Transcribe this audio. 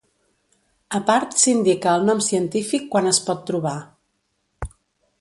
A part s'indica el nom científic quan es pot trobar.